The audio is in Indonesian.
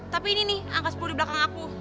tapi ini nih angka sepuluh di belakang aku